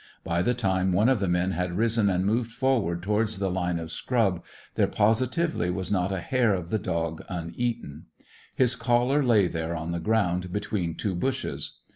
By the time one of the men had risen and moved forward towards the line of scrub, there positively was not a hair of the dog uneaten. His collar lay there on the ground, between two bushes.